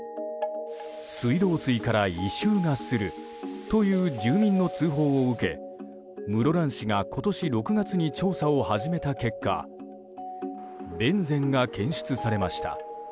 水道水から異臭がするという住民の通報を受け室蘭市が今年６月に調査を始めた結果ベンゼンが検出されました。